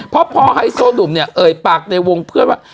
เพราะพอไฮโซหนุ่มเนี่ยเอ่ยปากในวงเพื่อนว่า